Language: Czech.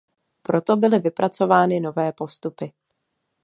Proto byly vypracovány nové postupy.